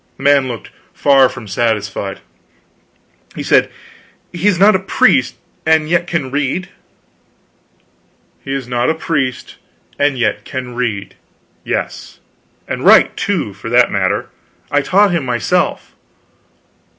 The man looked far from satisfied. He said: "He is not a priest, and yet can read?" "He is not a priest and yet can read yes, and write, too, for that matter. I taught him myself."